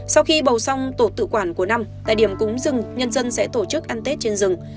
sau khi bầu xong tổ tự quản của năm tại điểm cúng rừng nhân dân sẽ tổ chức ăn tết trên rừng